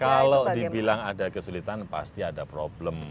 kalau dibilang ada kesulitan pasti ada problem